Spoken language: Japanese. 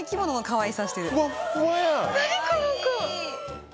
かわいい。